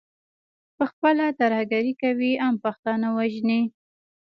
پخپله ترهګري کوي، عام پښتانه وژني.